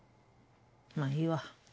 まあいいわ。